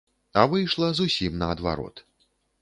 А выйшла зусім наадварот.